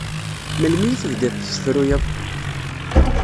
Melmi i tebdiḍ tessefruyeḍ?